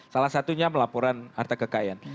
salah satunya melaporan harta kekayaan